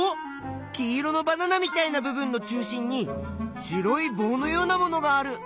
黄色のバナナみたいな部分の中心に白いぼうのようなものがある。